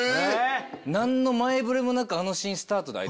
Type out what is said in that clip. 何の前触れもなくあのシーンスタート。